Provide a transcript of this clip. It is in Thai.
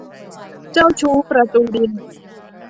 เจ้าชู้ประตูดิน